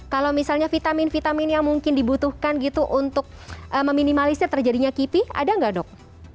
kalau misalnya vitamin vitamin yang mungkin dibutuhkan gitu untuk meminimalisir terjadinya kipi ada nggak dok